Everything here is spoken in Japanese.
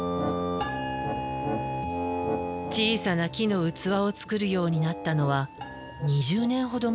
小さな木の器を作るようになったのは２０年ほど前。